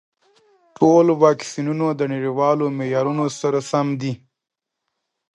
ټول واکسینونه د نړیوالو معیارونو سره سم دي.